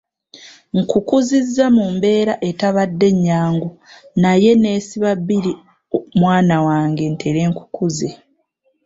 Nkukuzizza mu mbeera etabadde nnyangu naye neesiba bbiri mwana wange ntere nkukuze.